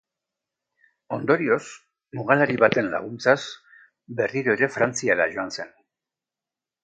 Ondorioz, mugalari baten laguntzaz, berriro ere Frantziara joan zen.